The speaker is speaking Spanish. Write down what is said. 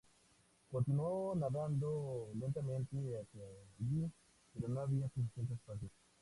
Continuó nadando lentamente hacia allí, pero no había suficiente espacio.